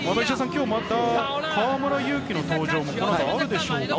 今日また、河村勇輝の登場もこの後あるでしょうか。